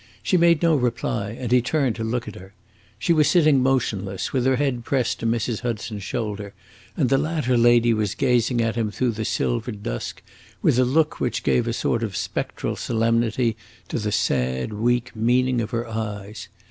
She made no reply, and he turned to look at her. She was sitting motionless, with her head pressed to Mrs. Hudson's shoulder, and the latter lady was gazing at him through the silvered dusk with a look which gave a sort of spectral solemnity to the sad, weak meaning of her eyes.